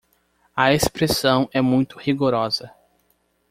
A expressão é muito rigorosa